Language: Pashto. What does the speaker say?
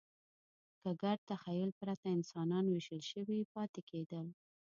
له ګډ تخیل پرته انسانان وېشل شوي پاتې کېدل.